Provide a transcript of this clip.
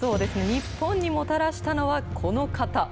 日本にもたらしたのはこの方。